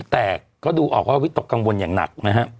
แตกก็ดูออกว่าวิทย์ตกกังวลอย่างหนัก